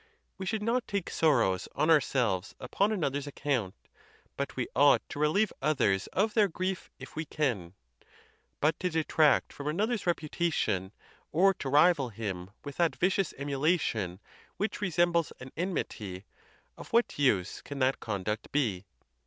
We should not take sorrows on ourselves upon another's account; but we ought to relieve others of their grief if we can. But to detract from another's reputation, or to rival him with that vicious emulation which resem bles an enmity, of what use can that conduct be?